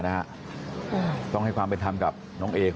ลูกสาวหลายครั้งแล้วว่าไม่ได้คุยกับแจ๊บเลยลองฟังนะคะ